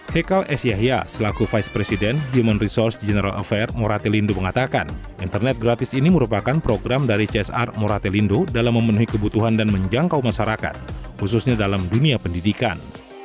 hekal esyahya selaku vice president human resource general affairs mora telindo mengatakan internet gratis ini merupakan program dari csr mora telindo dalam memenuhi kebutuhan dan menjangkau masyarakat khususnya dalam dunia pendidikan